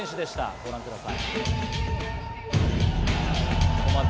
ご覧ください。